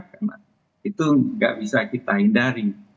karena itu gak bisa kita hindari